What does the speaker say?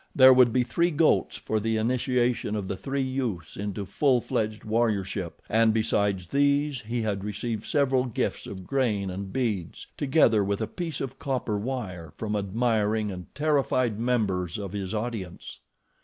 There would be three goats for the initiation of the three youths into full fledged warriorship, and besides these he had received several gifts of grain and beads, together with a piece of copper wire from admiring and terrified members of his audience.